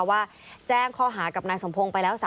ว่าแจ้งข้อหากับนายสมพงศ์ไปแล้ว